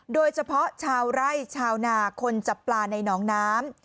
โดยเฉพาะชาวไร่ชาวนาคนจับปลาในหนองน้ำ